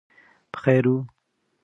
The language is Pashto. په خیر او